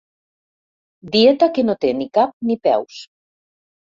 Dieta que no té ni cap ni peus.